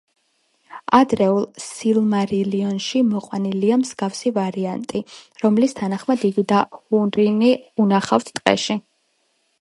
ადრეულ „სილმარილიონში“ მოყვანილია მსგავსი ვარიანტი, რომლის თანახმად იგი და ჰურინი უნახავთ ტყეში.